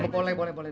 boleh boleh boleh